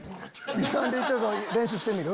ちょっと練習してみる？